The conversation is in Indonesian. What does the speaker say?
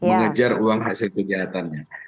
mengejar uang hasil kegiatannya